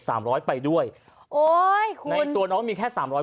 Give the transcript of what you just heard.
สามร้อยไปด้วยโอ้ยคุณในตัวน้องมีแค่สามร้อย